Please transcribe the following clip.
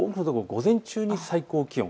午前中が最高気温。